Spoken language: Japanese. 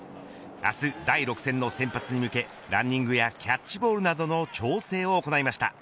明日、第６戦の先発に向けランニングやキャッチボールなどの調整を行いました。